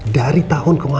dari tahun kemarin